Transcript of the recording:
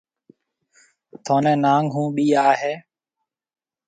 ٿونَي ناگ هون ٻئيِ آئي هيَ۔